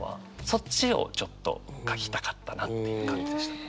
そっちをちょっと書きたかったなっていう感じでしたね。